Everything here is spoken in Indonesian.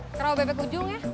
ke rau bebek ujung ya